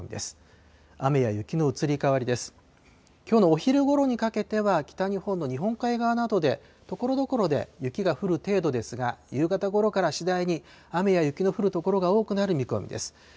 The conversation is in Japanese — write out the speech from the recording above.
きょうのお昼ごろにかけては、北日本の日本海側などでところどころで雪が降る程度ですが、夕方ごろから次第に雨や雪の降る所が多くなる見込みです。